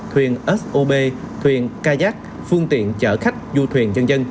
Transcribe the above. thuyền sob thuyền kayak phương tiện chở khách vui thuyền dân dân